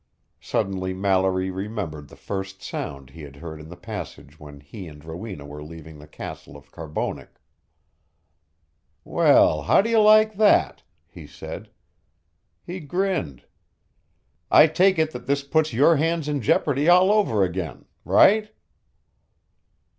Suddenly Mallory remembered the first sound he had heard in the passage when he and Rowena were leaving the castle of Carbonek. "Well how do you like that!" he said. He grinned. "I take it that this puts your hands in jeopardy all over again right?"